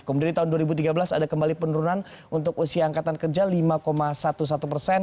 kemudian di tahun dua ribu tiga belas ada kembali penurunan untuk usia angkatan kerja lima sebelas persen